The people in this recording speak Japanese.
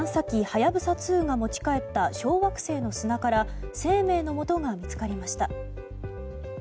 「はやぶさ２」が持ち帰った小惑星の砂から生命のもとが見つかりました。